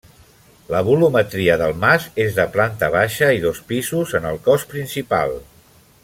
La volumetria del mas és de planta baixa i dos pisos en el cos principal.